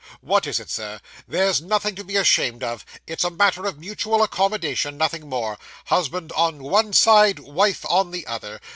What is it, Sir? There's nothing to be ashamed of; it's a matter of mutual accommodation, nothing more. Husband on one side, wife on the other.